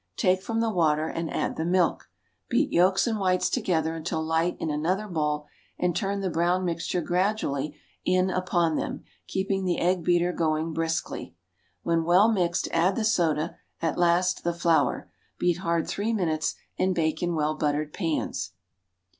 Take from the water and add the milk. Beat yolks and whites together until light in another bowl, and turn the brown mixture gradually in upon them, keeping the egg beater going briskly. When well mixed, add the soda, at last, the flour. Beat hard three minutes, and bake in well buttered pans.